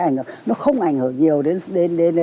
nó không ảnh hưởng nhiều đến